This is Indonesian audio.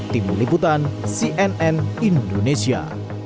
tim liputan cnn indonesia